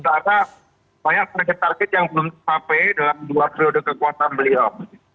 karena banyak target target yang belum sampai dalam dua periode kekuatan beliau